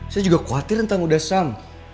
saya juga khawatir tentang udah sam